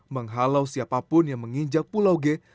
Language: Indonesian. menghalau siapapun yang menginjak pulau g